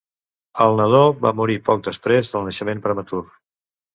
El nadó va morir poc després del naixement prematur.